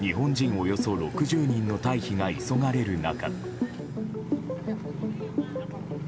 およそ６０人の退避が急がれる中。